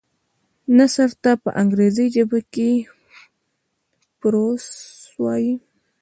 نثر ته په انګريزي ژبه کي Prose وايي.